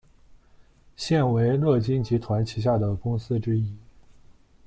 现为乐金集团旗下的公司之一。